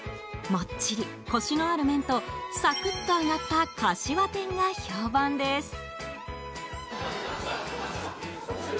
もっちりコシのある麺とサクッと揚がったかしわ天が評判です。